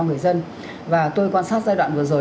người dân và tôi quan sát giai đoạn vừa rồi